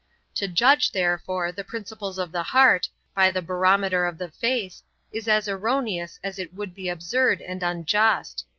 To judge, therefore, the principles of the heart, by the barometer of the face, is as erroneous as it would be absurd and unjust.